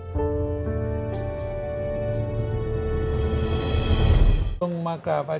โปรดติดตามต่อไป